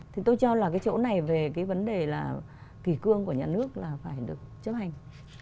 thì tôi cho là cái chỗ này về cái vấn đề là kỳ cương của nhà nước là phải được chấp hành